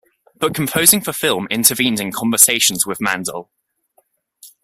But composing for film intervened in conversations with Mandel.